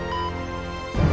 ya allah papa